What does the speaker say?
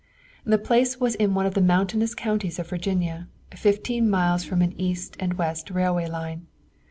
The place was in one of the mountainous counties of Virginia, fifteen miles from an east and west railway line.